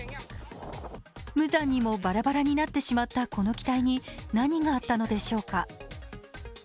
無残にもばらばらになってしまったこの機体に何があったのでしょうか。